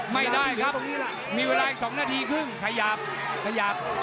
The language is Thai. ไม่ได้ครับมีเวลาอีก๒นาทีครึ่งขยับขยับ